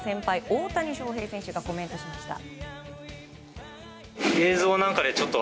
大谷翔平選手がコメントしました。